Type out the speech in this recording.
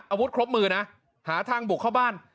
อาวุธครบมือนะหาทางบุกเข้าบ้าน